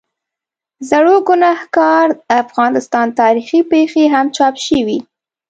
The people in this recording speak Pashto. زړوګناهکار، د افغانستان تاریخي پېښې هم چاپ شوي.